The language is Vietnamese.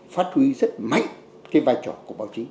phát huy rất mạnh cái vai trò của báo chí